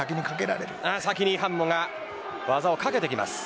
先にハンモが技をかけてきます。